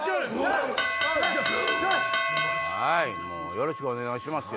よろしくお願いしますよ